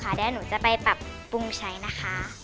เดี๋ยวหนูจะไปปรับปรุงใช้นะคะ